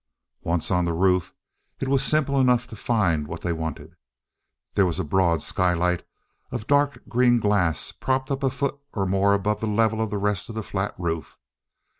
Once on the roof it was simple enough to find what they wanted. There was a broad skylight of dark green glass propped up a foot or more above the level of the rest of the flat roof.